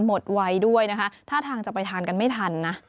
หมดไวด้วยนะคะท่าทางจะไปทานกันไม่ทันนะ